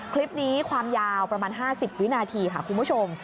คลิปนี้ความยาวประมาณ๕๐วินาทีค่ะคุณผู้ชม